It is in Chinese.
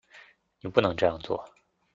你不能这样做